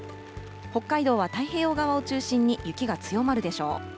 北海道は太平洋側を中心に雪が強まるでしょう。